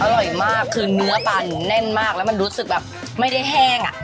อร่อยมากคือเนื้อปลาหนูแน่นมากแล้วมันรู้สึกแบบไม่ได้แห้งอ่ะ